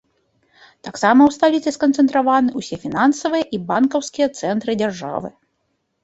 Таксама ў сталіцы сканцэнтраваны ўсе фінансавыя і банкаўскія цэнтры дзяржавы.